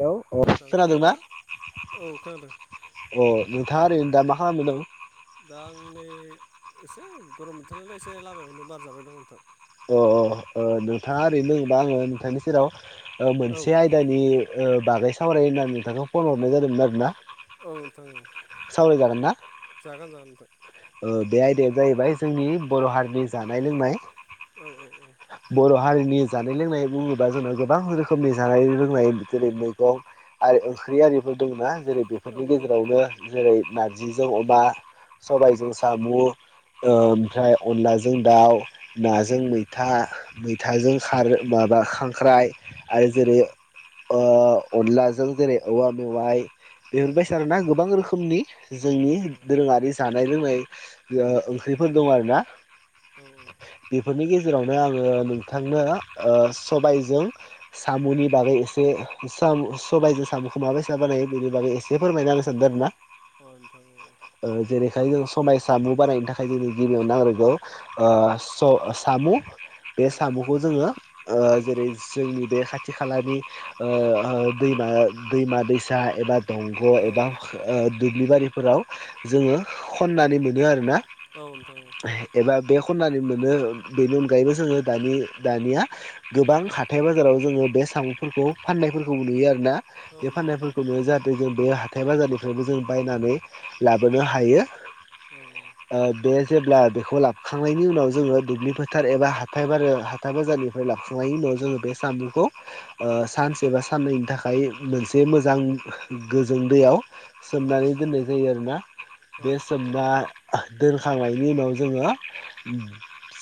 Hello अ खोनादोंना? औ खोनादों। [inaudible] अ नोंथाङा ओरैनो दा मा [unintelligible] दा आं नै एसे गरम बथोरनालाय एसे लामायावनो बार जाबाय दं नोंथां अ अ अ नोंथाङा ओरैनो दोङोबा आङो नोंथांनि सेराव ओ औ मोनसे आय दानि ओ बागै सावरायनो होननानै नोंथांखौ फन हरनाय जादोंमोन आरोना औ नोंथां औ सावराय जागोन ना? जागोन जागोन नोंथां ओ बे आयदायानो जाहैबाय जोंनि बर' हारिनि जानाय लोंनाय औ औ औ बर' हारिनि जानाय लोंनाय बुङोबा जोंनाव गोबां रोखोमनि जानाय लोंनाय जेरै मैगं आरो ओंख्रि आरिफोर दंना जेरै औ बेफोरनि दों गेजेरावनो जेरै नारजिजों अमा औ सबायजों सामु औ ओ ओमफ्राय अनलाजों दाउ औ नाजों औ मैथा औ मैथाजों खार माबा खांख्राइ आरो औ जेरै ओ अनलाजों जेरै औवा मेवाइ औ बेफोरबायसा आरोना गोबां रोखोमनि औ जोंनि दों दोरोङारि जानाय लोंनाय ओ औ ओंख्रिफोर दं आरोना औ बेफोरनि गेजेराव नो दा आङो नोंथांनो ओ सबायजों सामुनि बागै एसे सामु सबाइजों सामुखौ माबायसा बानायो बिनि बागै एसे बेफोर अ [unintelligible] दं ना? नोंथां औ ओ दे जेरैखाय जों सबाय सामु बानायनो थाखाय जोंनो गिबियाव नांग्रोगौ ओ स सामु बे सामुखौ औ औ जोङो ओ औ जेरै जोंनि बे खाथि खालानि ओ ओ दैमा दैमा दैसा एबा दंग' एबा ओ दुब्लि बारिफोराव जोङो खननानै मोनो आरोना। औ नोंथां औ एबा बे खननानै मोनो बिनि अनगायैबो जोङो दानि दानिया गोबां औ हाथाइ बाजाराव जोङो बे सामुफोरखौ फान्नायफोरखौबो नुयो आरो ना औ बे नुयो फाननायफोरखौनो जाहाथे जों बे हाथाय बाजारनिफ्रायबो जों बायनानै औ लाबोनो हायो औ ओ बे जेब्ला बेखौ लाबखांनायनि उनाव जोङो दुब्लि फोथार एबा हाथाइबारो-हाथाइ बाजारनिफ्राय लाबोखांनायनि उनाव जोंङो बे साम'खौ एबा साननैनि थाखाय मोनसे मोजां गोजों दैयाव सोमनानै दोननाय जायो आरोना बे नोंथां औ सोमना दोनखांनायनि उनाव जोङो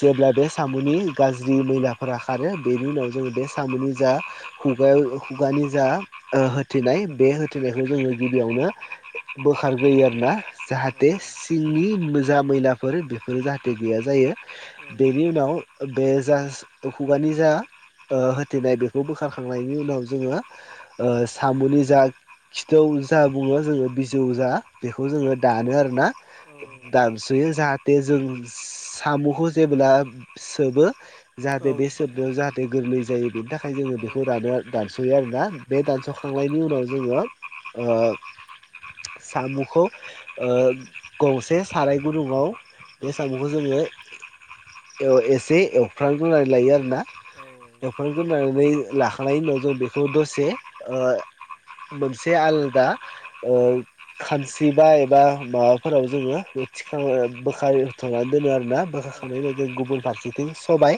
जेब्ला बे साम'नि गाज्रि मैलाफोरा खारो बेनि उनाव जोङो बे साम'नि जा खुगायाव खुगानि जा होथेनाय बे होथेनायखौ जोङो गिबियावनो औ बोखारग्रोयो आरो ना औ जाहाथे सिंनि मोजा-मैलाफोर बेफोरो जाहाथे गैया जायो औ बेनि उनाव बे जा खुगानि जा ओ होथेनाय बे खौ बोखारखांनायनि उनाव जोङो ओ औ साम'नि जा खिथौ जा बुङो जोङो बिजौ जा बेखौ जोङो औ औ दानो आरोना औ औ औ दानसुयो जाहाथे जों सा- साम'खौ जेबोब्ला सोबो जाहाथे बे सोबोनायाव गोरलै जायो बिनि थाखाय जोङो औ बेखौ दानो आरो दानस'यो आरोना बे दानस'खांनायनि उनाव जोङो ओ सामुखौ ओ औ गंसे साराय गुदुङआव बे साम'खौ जोङो ओ एसे एवफ्राम ग्रोनानैलायोआरो ना एवफ्राम औ ग्रोनानै लाखांनायनि उनाव जों बेखौ दसे मोनसे आलादा ओ खानसि बा एबा माबाफोराव जोङो बे थिखां बोखांथ'नानै दोनो आरोना बेबायदि गुबुन फारसेथिं सबाय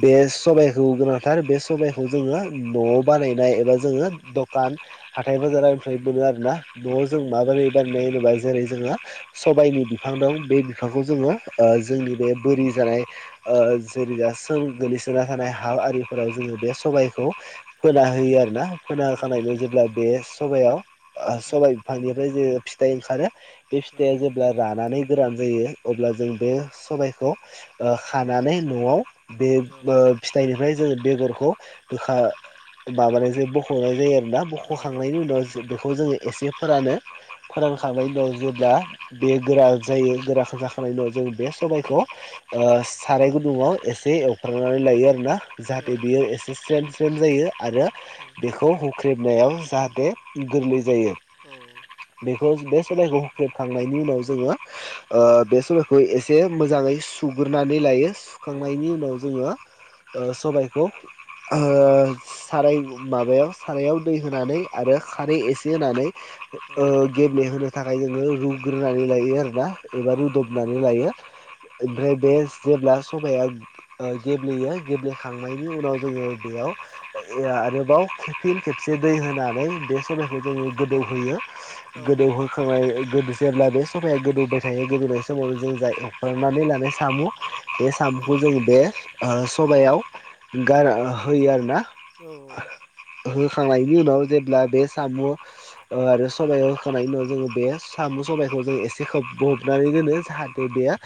बे सबायखौ गोनांथार बे सबायखौ जोङो न'आव बानायनाय एबा जोङो बान हाथाय बाजारनिफ्राय मोनो आरोना न'आव जों माबोरै बानायनाय होनोबा जेरै जोंङहा सबायनि बिफां दं बे बिफांखौ जोङो ओ जोंनि बे बोरि जानाय ओ जरेजा सों गोलैसोना थानाय हा आरिफोराव जोङो बे सबायखौ फोना होयो आरो ना फोना होखांनायनै जेब्ला बे सबायाव नोंथां सबाइ बिफांनिफ्राय जोङो फिथाइ ओंखारो बे फिथाइया जेब्ला रानानै गोरान जायो अब्ला जों बे सबायखौ खानानै न'आव बे औ ओ फिथाइनिफ्राय जोङो बेगरखौ गोखा माबानायजों बख'नाय जायो आरोना औ औ बख'खांनायनि उनाव औ बेखौ एसे फोरानो औ फोरानखांनायनि उनाव जेब्ला बे गोरा जायो गोराखौ जाखांनायनि उनाव जों बे सबायाइखौ ओ साराय गुदुङाव एसे एवफ्रांनानै लायो आरो ना जाहाथे बियो एसे स्रेम स्रेम जायो आरो [inaudible] बेखौ हुख्रेबनायाव जाहाथे गोरलै जायो बेखौ बे सबायखौ हुख्रेबखांनायनि उनाव जोङो बे सबायखौ एसे मोजाङै सुग्रोनानै लायो सुखांनायनि उनाव जोङो ओ सबायखौ ओ साराय माबायाव सारायाव दै होनानै आरो खारै एसे होनानै ओ गेब्लेहोनो थाखाय जोङो रुग्रोनानै लायो आरो ना एबा रुदबनानै लायो ओमफ्राय बे जेब्ला सबाया। ओ गेब्लेयो गेब्लेखांनायनि उनाव जोङो बेयाव। एआ आरोबाव फिन खेबसे दै होनानै बे सबायखौ जोङो गोदौहोयो। गोदौहोखांनाय गोद जेब्ला बे सबाया गोदौबाय थायो गोदौनाय समावनो जों जाय एफां हनानै लानाय सामु बे सामुखौ जों बे ओ सबायाव गार ओ होयो आरो ना। औ औ। होखांनायनि उनाव जेब्ला बे साम'। ओ आरो सबाइयाव होखांनायनि उनाव जोङो बे साम' सबायखौ जों एसे खोबब्रबनानै दोनो जाहाथे बेयो।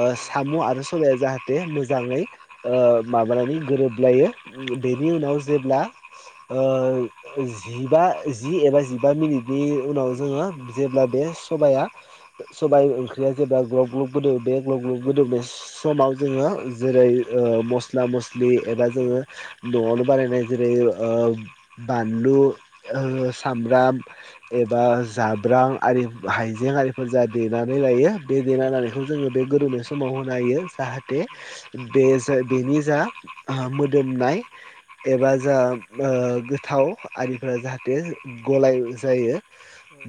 ओ साम' आरो सबाया जाहाथे मोजाङै ओ माबानानै गोरोबलायो। ओम बेनि उनाव जेब्ला ओ जिबा जि एबा जिबा मिनिटनि उनाव जोङो जेब्ला बे सबाया सबाइ ओंख्रिया जेब्ला ग्लब ग्लब गोदौदो। ग्लब ग्लब गोदौनो समाव जोङो जेरै ओ मस्ला मस्लि एबा जोङो। न'आवनो बानायनाय जेरै ओ बानलु सामब्राम एबा जा ब्रां आरि हाइजें आरिफोर जा देनानै लायो बे देना लानाय जोङो बे गोदौनाय समाव होनो होयो जाहाथे। बे जा बेनि जा आहा मोदोमनाय एबा जा। ओ गोथाव आरिफोरा जाहाथे गलाय जायो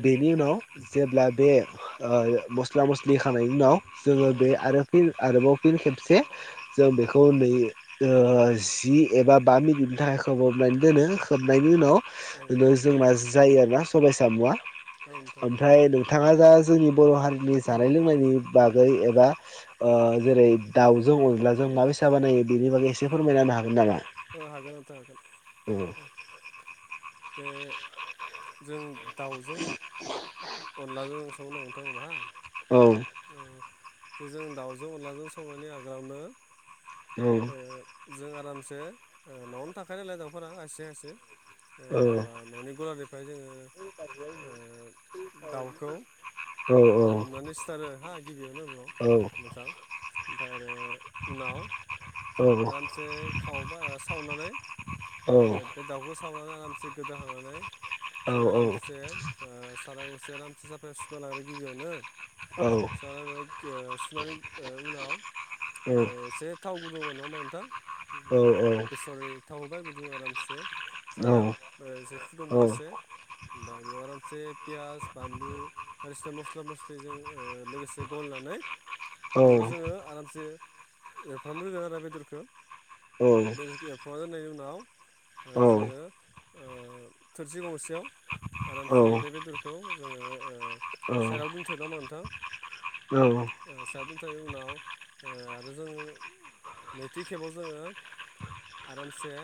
बेनि उनाव। जेब्ला बे ओ मस्ला मस्लि होखांनायनि उनाव जोङो बे आरो फिन आरोबाव फिन खेबसे जों बेखौ नै ओ जि एबा बा मिनिटनि थाखाय खोबाबनानै दोनो खोबनायनि उनाव। औ इदिनो जोंना जायो आरोना सबाय साम'आ औ नोंथां औ ओमफ्राय नों थाङा जा जोंनि बर' हारिनि जानाय लोंनायनि बागै एबा ओ जेरै दाउजों अनलाजों मा बायसा बानायो बेनि बागै एसे फोरमायना होनो हागोन नामा। औ हागोन नोंथां हागोन औ बे जों। दाउजों अनलाजों संनो [unintelligible] औ। अ जों दाउजों अनलाजों संनायनि आगोलावनो औ ओ। जों आरामसे ओ न'आवनो थाखायो नालाय दाउफोरा खायसे खायसे। औ ओ बा न'नि गलारनिफ्राय जोङो ओ दाउखौ। औ हमनानै सिथारो हा गिबियावनो ब्र'। नोंथां ओमफाय आरो उनाव। आरामसे खावबा सावनानै ओ बे दावखौ सावनानै आरामसे गोदाखांनानै औ जों औ आरामसे ओ। सारा रामसि सुना लादों गिबियावनो औ [unintelligible] सुनानै उनाव औ एसे थाव गुदुंआ नङा मा नोंथां बेसरनि थाव होबाय गुदुं आरामसे सारायाव दै एसे फुदुंबाय दसे ओमफ्राय बेयाव आरामसे। पियास बानलु बायदिसिना मस्ला मस्लिजों ओ लोगोसे गलायनानै। बेखौ जोङो आरामसे एरफ्राम ग्रोदो आरो बेदरखौ बे सा जोननायनि उनाव जोङो थोरसि गंसेयाव आरामसे बे बेदरखौ जोङो ओ। सायदाव दोनथ'यो नोंङा ओमबा नोंथां। ओ सायदाव दोनथयो उनाव ओ आरो जोङो नैथि खेबाव जोङो। आरामसे।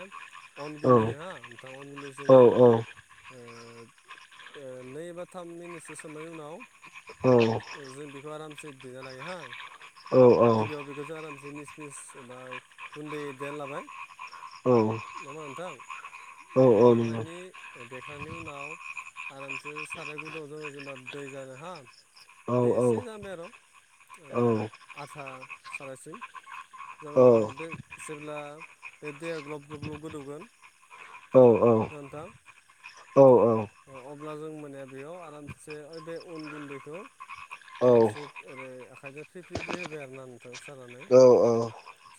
अन गुन्दै हो नोंथां अन गुन्दै जोङो ओ ओ नै थाम मिनिटसो सोमनायनि उनाव औ जों बेखौ आरामसे देना लायो हा गिबियाव बेखौ जा जों मिस मिस एबा गुन्दै देना लाबाय नंडा नोंथां देखांनायनि देखांनायनि उनाव आरामसे साराय गुदुंआव जोङो जेनेबा दै जानो हा दै एसे जानबाय आर' ओ आथा सानायसिम जाउनाव बे जेब्ला बे दैआ ग्लब ग्लब ग्लब गोदौगोन नोंथां अब्ला ओ जों माने बेयाव आरामसे बे अन गुन्दैखौ आरामसे ओरै आखाइजों फ्रि फ्रि फ्रि होबाय आरो ना नोंथां सारनानै।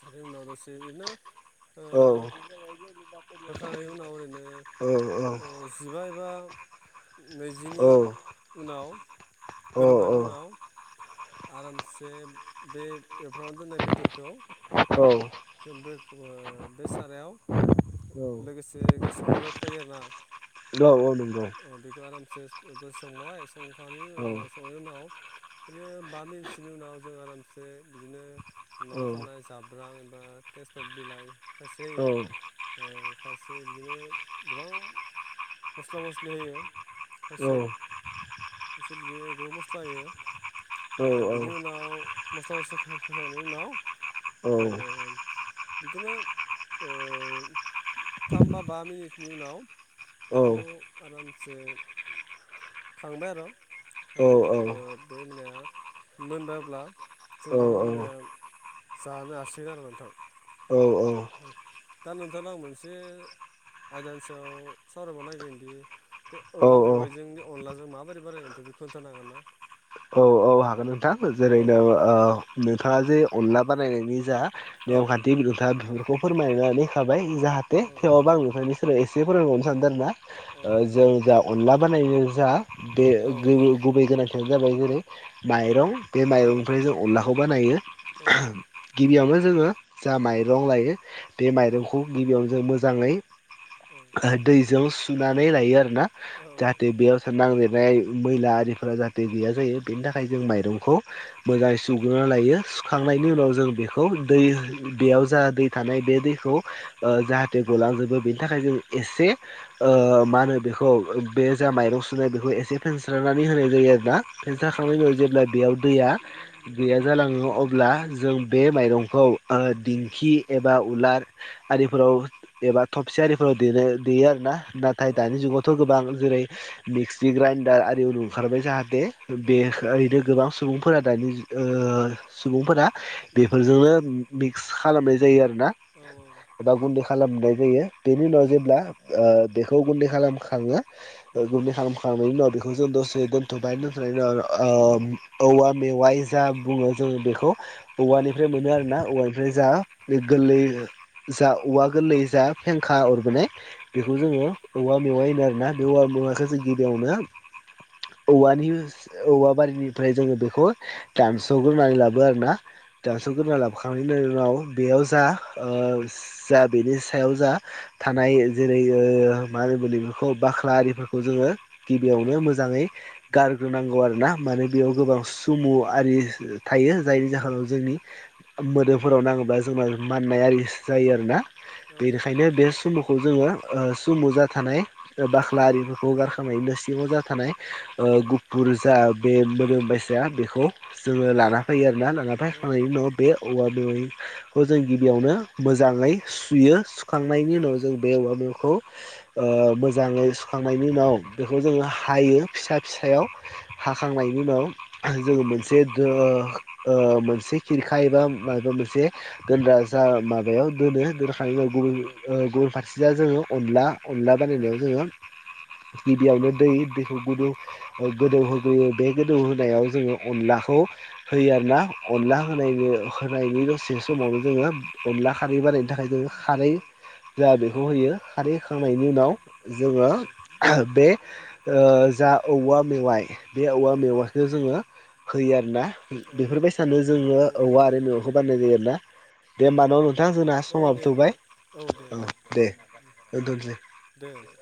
सार उनाव दसेयैनो ओ होखांनायनायनि उनाव ओरैनो ओ जिबा एबा नैजिनि उनाव गोदौखानि उनाव आरामसे बे एफ्रावनो दोननाय बेदरखौ औ। [unintelligible] बे सारायाव लोगोसे बे संजाबफायो आरोना ओ बे आरामसे दसे संबाय संखारियो नि उनाव नो बा मिनिटसोनि उनाव जों आरामसे बिदिनो न'आव थानाय जाब्रां एबा तेजपत बिलाइ खायसे होयो। खायसे बिदिनो गोबां मस्ला मस्लि होयो। खायसे खायसे बिदिनो गोबां मस्ला होायो। ओ बिनि उनाव मस्ला मस्लि हो-होखांनायनि उनाव ओ बिदिनो ओ थाम बा बा मिनिटनि उनाव बेखौ आरामसे [inaudible] खांबाय आरो [unintelligible] मोनब्ला जों बेखौ माने जानो हासिगोन आरो नोंथां। औ औ। दा नोंथांनाव आं मोनसे आयदा नि सायाव सरायबावनो नागिरदों दि बे औव औ मेवाइजों अनलाजों माबोरै बानयो बेखौ खोनथानानो हागोन ना? औ औ हागोन नोंथां औ जेरैनो ओ नोंथाङा जे अनला बानायनायनि जा औ नेमखान्थि [unintelligible] बेफोरखौ फोरमायनानै होखाबाय जाहाथे औ थेवबो आं नोंथांनि एसे फोरोंबावनो सानदों आरोना औ ओ नोंथां जों जा अनला बानायनो जा बे औ गुबै गोनांथियानो जाबाय जेरै माइरं बे औ माइरंनिफ्राय जों अनलाखौ बानायो। औ औ गिबियावनो जोङो जा माइरं लायो बे औ माइरंखौ गिबियावनो जों मोजाङै औ। दैजौ सुनानै लायो आरो ना जाहाथे बेयाव सोर नांलिरनाय मैला आरिफोरा जाहाथे गैया जायो बेनि थाख खाय जों माइरंखौ मोजाङै सुग्रोननानै लायो सुखांनायनि उनाव जों बेख [unintelligible] दै बेयाव जा दै थानाय बे दैखौ ओ जाहाथे गलांजोबो बेनि थाखाय जों एसे ओ मा होनो बेखौ औ बे जा माइरं सुनाय बेखौ एसे फेनस्रनानै होनाय जायो आरोना फेनस्रा जेब्ला बेयाव दैया गैया जालाङो अब्ला जों बे माइरंखौ ओ दिंखि एबा उलार आरिफोराव एबा थबसि आरिफोराव दे देयो आरो ना ना थाय दानि जुगावथ' गोबां जेरै मिक्सि ग्राइडार आरि ओंखारबाय जाहाथे बे ओरैनो गोबां सुबुंफोरा दानि ओ सुबुंफोरा उम बेफोरजोंनो मिक्स खालामना जायो आरो‌ ना। औ औ। गुन्दै खालामनाय जायो बेनि उनाव उम जेब्ला ओ बेखौ गुन्दै खालाम खाङो। उम गुन्दै खालामखांनायनि उनाव बेखौ जों दसे दोनथ'बायनो दोनथ'नायनि उनाव ओ औवा मेवाय जा बुङो जोङो बेखौ औ औवानिफ्राय मोनो आरो ना औवानिफ्राय औ जा बे गोरलै जा औवा गोरलै जा फेंखा अरबोनाय बेखौ जोङो औवा मेवाय होनो आरोना बे औवा औ मेवाखौ जों गिबियावनो औवानि औवा बारिनिफ्राय जोङो बेखौ औ औ दानस'ग्रोनानै लाबो आरोना औ दानस'ग्रोनानै लाबोखा [unintelligible] बेयाव जा ओ जा बेनि सायाव जा थानाय जेरै ओ मा होनो बो बेखौ बाख्रा आरिफोरखौ जोङो गिबियावनो मोजाङै गारग्रोनांगौ आरो ना माने बेयाव गोबां सुमु आरि थायो जायनि जाहोनाव जोंनि मोदोमफोराव नाङोबा जोंना माननाय आरि जायो आरोना। बेनिखायनो बे स सुमुखौ जोङो ओ सुमु जाथानाय बाख्ला आरिफोरखौ गारखांनानैनो सिमाव जा थानाय ओ औ गुफुर जा बे मोदोम बायसाया बेखौ जोङो नोंथां लाना फैयो आरोना लाना फैखांनायनि उनाव बे औवा मेवायखौ जों गिबियावनो मोजाङै सुयो सुखांनायनि उनाव जों बे औवा मेवाखौ ओ मोजाङै सुखांनायनि उनाव बेखौ जोङो हायो। फिसा फिसायाव हाखांनायनि उनाव जोङो मोनसे ओ ओ मोनसे खिरखा एबा माबबा मोनसे दोनग्रा जा माबायाव दोनो दोनखानायनि उनाव गुबुन ओ गुबुन फारसेया जोङो अनला अनला बानायनायाव जोङो गिबियावनो दै दैखौ गुदुं गोदौहोग्रोयो बे गोदौ होनायाव जोङो अनलाखौ होयो आरोना अनला होनाय होनायनि दसे समावनो जोङो अनला खारै बानायनो थाखाय जों खारै जा बेखौ होयो। खारै होखांनायनि उनाव जोङो बे ओ जा औवा मेवाइ बे औवा मेवाइखौ जोङो होयो आरोना। बेफोरबायसानो जोङो औवा आरो मेवायखौ बानायनाय जायो आरोना। औ दे होमबा न' नोंथां जोंना औ समाबो दे थौबाय नोंथां औ दे नोंथां दे दोनथ'सै। दे नोंथां।